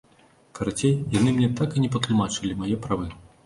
Карацей, яны мне так і не патлумачылі мае правы.